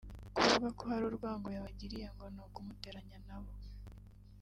kuvuga ko hari urwango yabagiriye ngo ni ukumuteranya nabo